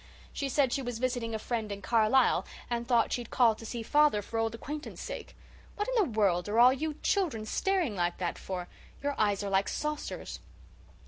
She said she was visiting a friend in Carlisle and thought she'd call to see father for old acquaintance sake. What in the world are all you children staring like that for? Your eyes are like saucers."